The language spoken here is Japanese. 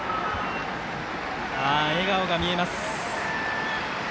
笑顔が見えます。